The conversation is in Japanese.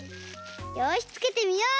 よしつけてみようっと！